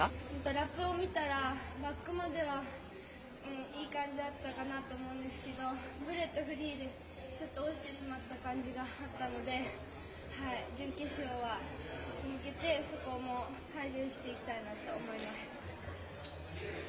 ラップを見たらバックまではいい感じだったかなと思うんですけどブレとフリーでちょっと落ちてしまった感じがあったので準決勝に向けて、そこも改善していきたいと思います。